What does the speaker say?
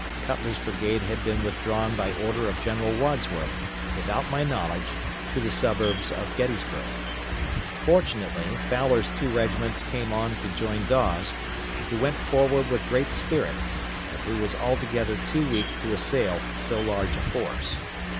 Cutler's brigade had been withdrawn by order of General Wadsworth, without my knowledge, to the suburbs of Gettysburg. Fortunately, Fowler's two regiments came on to join Dawes, who went forward with great spirit, but who was altogether too weak to assail so large a force.